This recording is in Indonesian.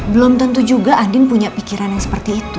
belum tentu juga andin punya pikiran yang seperti itu